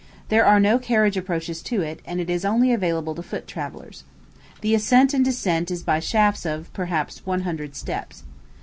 There are no carriage approaches to it, and it is only available to foot travellers. The ascent and descent is by shafts of, perhaps, one hundred steps.